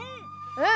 うん！